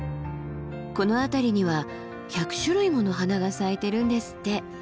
この辺りには１００種類もの花が咲いてるんですって。